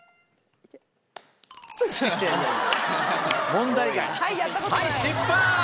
問題外はい失敗！